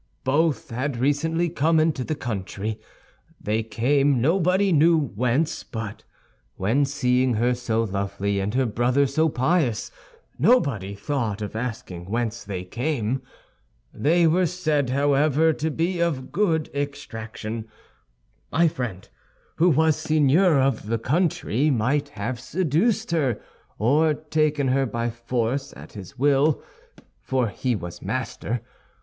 Both had recently come into the country. They came nobody knew whence; but when seeing her so lovely and her brother so pious, nobody thought of asking whence they came. They were said, however, to be of good extraction. My friend, who was seigneur of the country, might have seduced her, or taken her by force, at his will—for he was master.